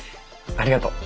ありがとう！